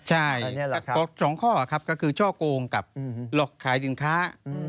ใช่๒ข้อครับก็คือช่อโกงกับหลอกขายสินค้า